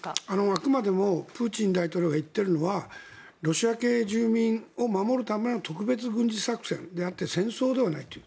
あくまでもプーチン大統領が言っているのはロシア系住民を守るための特別軍事作戦であって戦争ではないと。